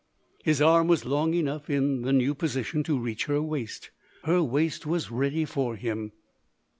His arm was long enough, in the new position, to reach her waist. Her waist was ready for him.